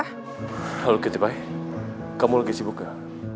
halo gede pai kamu lagi sibuk gak